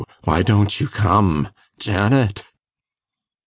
why don't you come? Janet!